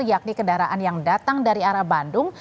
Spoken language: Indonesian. yakni kendaraan yang datang dari arah bandung